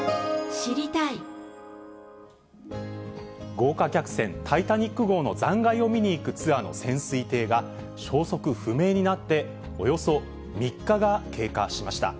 豪華客船タイタニック号の残骸を見に行くツアーの潜水艇が、消息不明になっておよそ３日が経過しました。